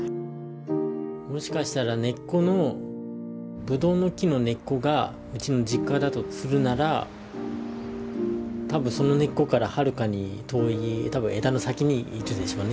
もしかしたら根っこのぶどうの木の根っこがうちの実家だとするなら多分その根っこからはるかに遠い多分枝の先にいるでしょうね